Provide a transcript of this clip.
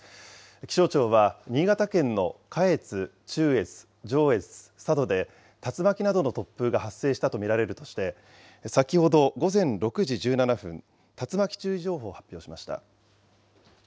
気象庁は、新潟県の下越、中越、上越、佐渡で竜巻などの突風が発生したと見られるとして、先ほど午前６時１７分、竜巻注意情報を発表しました。